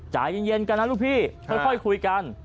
ใจเย็นกันนะลูกพี่ค่อยคุยกัน